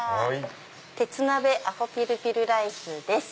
鉄鍋アホピルピルライスです。